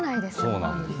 そうなんです。